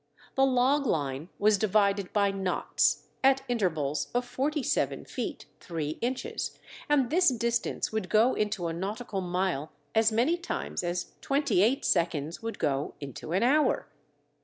The log line was divided by knots, at intervals of forty seven feet, three inches, and this distance would go into a nautical mile as many times as twenty eight seconds would go into an hour.